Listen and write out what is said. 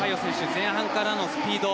前半からのスピード。